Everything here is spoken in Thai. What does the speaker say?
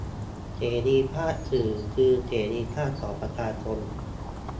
เสรีภาพสื่อคือเสรีภาพของประชาชน